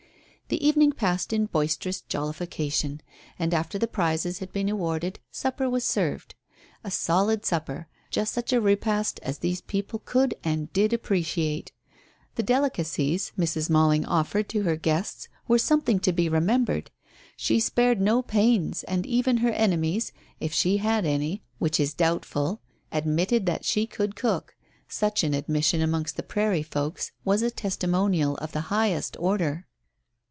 The evening passed in boisterous jollification. And after the prizes had been awarded supper was served. A solid supper, just such a repast as these people could and did appreciate. The delicacies Mrs. Malling offered to her guests were something to be remembered. She spared no pains, and even her enemies, if she had any, which is doubtful, admitted that she could cook; such an admission amongst the prairie folks was a testimonial of the highest order.